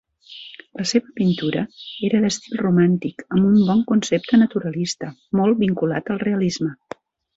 La seva pintura era d'estil romàntic amb un bon concepte naturalista, molt vinculat al realisme.